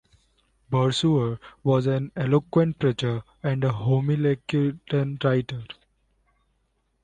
Bersuire was an eloquent preacher and a voluminous homiletical writer.